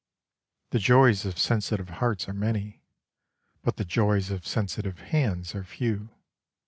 The joys of sensitive hearts are many; but the joys of sensitive hands are few.